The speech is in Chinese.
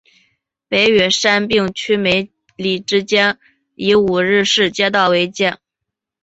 北与杉并区梅里之间以五日市街道为界。